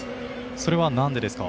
それは、なんでですか？